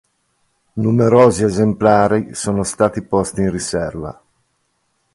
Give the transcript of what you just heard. Numerosi esemplari sono stati posti in riserva.